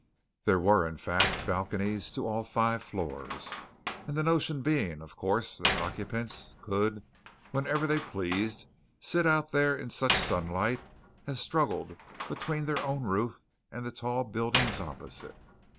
There were, in fact, balconies to all five floors the notion being, of course, that occupants could whenever they pleased sit out there in such sunlight as struggled between their own roof and the tall buildings opposite.